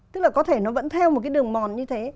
tức là có thể nó vẫn theo một cái đường mòn như thế